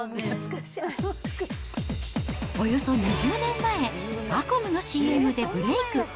およそ２０年前、アコムのＣＭでブレーク。